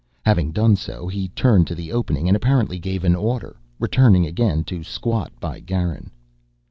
Having done so, he turned to the opening and apparently gave an order, returning again to squat by Garin.